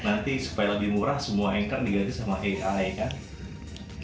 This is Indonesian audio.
nanti supaya lebih murah semua anchor diganti sama ai kan